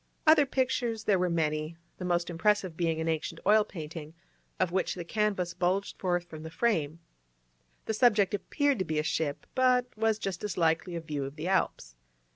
Other pictures there were many, the most impressive being an ancient oil painting, of which the canvas bulged forth from the frame; the subject appeared to be a ship, but was just as likely a view of the Alps.